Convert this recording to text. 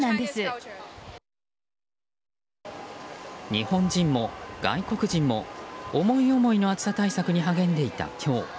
日本人も外国人も思い思いの暑さ対策に励んでいた今日。